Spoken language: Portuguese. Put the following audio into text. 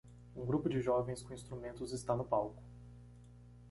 Um grupo de jovens com instrumentos está no palco.